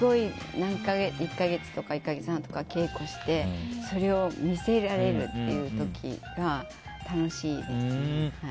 １か月とか１か月半とか稽古をしてそれを見せられるっていう時が楽しいです。